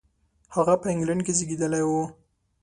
هغه په انګلېنډ کې زېږېدلی و.